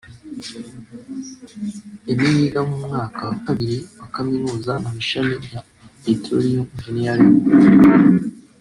Emmy wiga mu mwaka wa kabiri wa Kaminuza mu ishami rya Petroleum Engineering